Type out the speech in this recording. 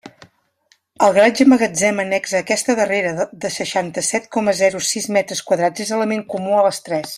El garatge magatzem annex a aquesta darrera, de seixanta-set coma zero sis metres quadrats, és element comú a les tres.